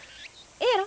ええやろ？